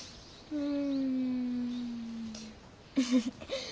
うん。